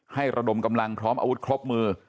ระดมกำลังพร้อมอาวุธครบมือ